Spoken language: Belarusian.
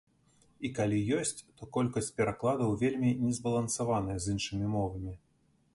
І калі ёсць, то колькасць перакладаў вельмі незбалансаваная з іншымі мовамі.